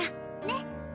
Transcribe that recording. ねっ？